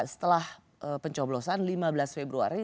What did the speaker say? setelah pencoblosan lima belas februari